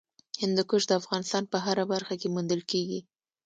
هندوکش د افغانستان په هره برخه کې موندل کېږي.